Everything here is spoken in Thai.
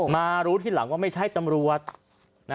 มารู้ทีหลังว่าไม่ใช่ตำรวจ